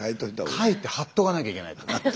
書いて貼っとかなきゃいけないと思って。